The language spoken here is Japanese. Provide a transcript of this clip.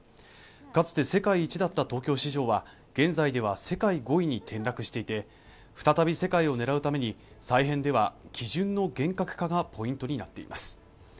かつて世界一だった東京市場は現在では世界５位に転落していて再び世界を狙うために再編では基準の厳格化がポイントになっています